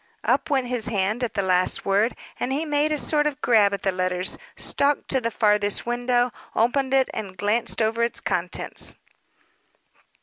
Up went his hand at the last word, and he made a sort of grab at the letters, stalked to the farthest window, opened it, and glanced over its contents.